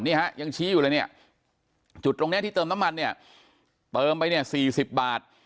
นี่ฮะยังชี้อยู่เลยเนี่ยจุดตรงนี้ที่เติมน้ำมันเนี่ยเติมไปเนี่ย๔๐บาท